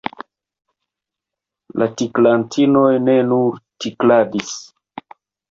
La tiklantinoj ne nur tikladis.